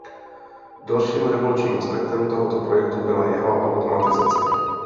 Dalším revolučním aspektem tohoto projektu byla jeho automatizace.